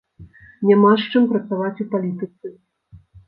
Няма з чым працаваць у палітыцы!